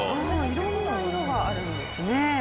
色んな色があるんですね。